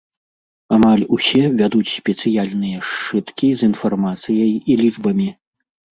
Амаль усе вядуць спецыяльныя сшыткі з інфармацыяй і лічбамі.